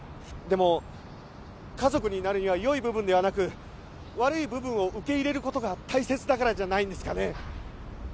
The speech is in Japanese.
でも家族になるにはよい部分ではなく悪い部分を受け入れることが大切だからじゃないんですかね？